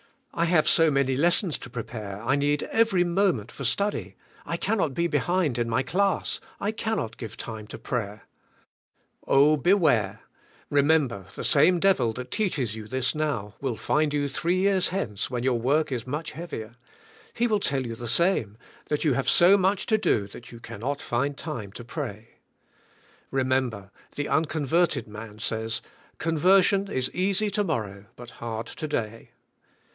I have so many lessons to prepare I need every moment for study, I cannot be behind in my class, I cannot gi\Q time to prayer. Oh! beware. Remember the same devil that teaches you this now will find you three years hence when your work is much heavier. He PRAYER. 91 will tell you the same; that you have so much to do that you cannot find time to pray. Remember, the unconverted man says, conversion is easy to mor row but hard to day.